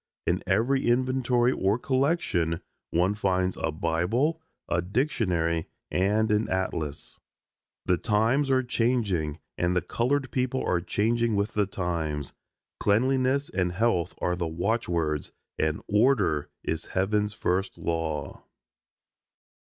In every inventory or collection one finds a Bible, a dictionary, and an atlas. The times are changing and the colored people are changing with the times. Cleanliness and health are the watchwords, and "Order" is Heaven's first law.